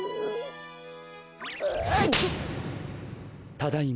ただいま。